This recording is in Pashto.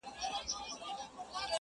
گراني اوس دي سترگي رانه پټي كړه؛